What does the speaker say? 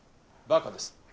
「バカ」です。